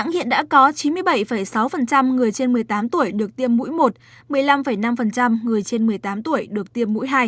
hiện đã có chín mươi bảy sáu người trên một mươi tám tuổi được tiêm mũi một một mươi năm năm người trên một mươi tám tuổi được tiêm mũi hai